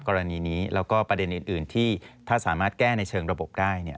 กรณีนี้แล้วก็ประเด็นอื่นที่ถ้าสามารถแก้ในเชิงระบบได้